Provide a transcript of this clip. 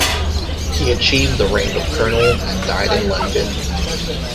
He achieved the rank of colonel and died in London.